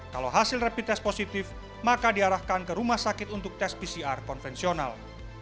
kalau hasil rapid test positif maka diarahkan ke rumah sakit untuk tes pcr konvensional